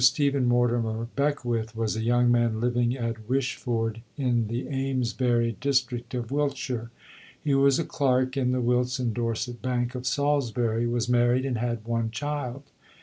Stephen Mortimer Beckwith was a young man living at Wishford in the Amesbury district of Wiltshire. He was a clerk in the Wilts and Dorset Bank at Salisbury, was married and had one child.